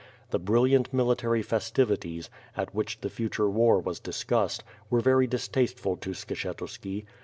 The brilliant military festivities, at which the future war was discussed, were very distasteful to Skshetuski.